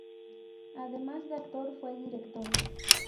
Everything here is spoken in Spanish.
Además de actor fue director.